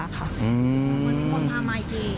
มีคนพามาอีกที